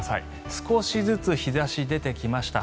少しずつ日差しが出てきました。